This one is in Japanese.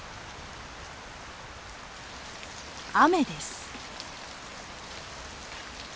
雨です。